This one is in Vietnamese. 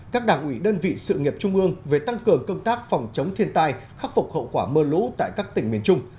các đảng ủy đơn vị sự nghiệp trung ương về tăng cường công tác phòng chống thiên tai khắc phục hậu quả mưa lũ tại các tỉnh miền trung